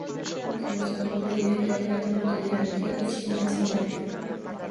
Komsomol degan gaplar unutilganiga hech kim achinmaydi